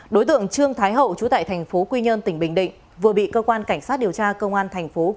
đối tượng trương thái hậu chú tại thành phố quy nhơn tỉnh bình định vừa bị cơ quan cảnh sát điều tra công an thành phố